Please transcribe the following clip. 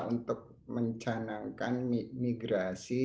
untuk mencanangkan migrasi